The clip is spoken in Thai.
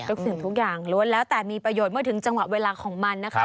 รู้สึกถึงทุกอย่างรวมแล้วแต่มีประโยชน์เมื่อถึงจังหวะเวลาของมัน